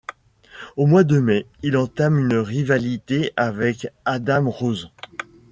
Au mois de mai, il entame une rivalité avec Adam Rose.